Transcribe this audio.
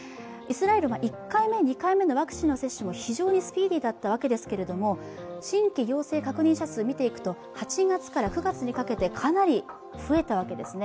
１回目、２回目のワクチン接種も非常にスピーディーでしたが新規陽性確認者数を見ていくと、８月から９月にかけてかなり増えたわけですね。